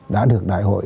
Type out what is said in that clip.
đã được đại hội